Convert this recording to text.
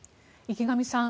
池上さん